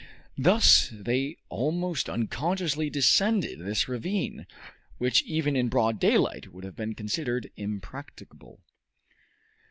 Thus they almost unconsciously descended this ravine, which even in broad daylight would have been considered impracticable.